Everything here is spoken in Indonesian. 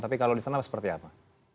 tapi kalau di sana seperti apa